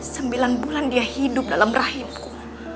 sembilan bulan dia hidup dalam rahimku